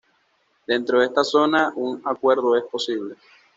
Dentro de esta zona, un acuerdo es posible.